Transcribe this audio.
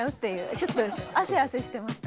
ちょっとあせあせしてました。